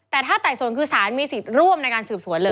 แต่ถ้าไต่สวนคือสารมีสิทธิ์ร่วมในการสืบสวนเลย